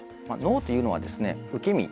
脳っていうのはですね受け身。